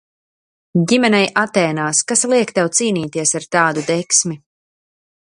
Ģimenei Atēnās, kas liek tev cīnīties ar tādu degsmi?